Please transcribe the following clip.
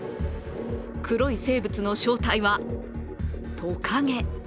黒い生物の正体は、トカゲ。